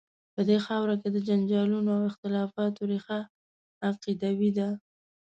په دې خاوره کې د جنجالونو او اختلافات ریښه عقیدوي ده.